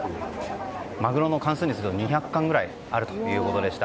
お寿司の貫数にすると２００貫くらいあるということでした。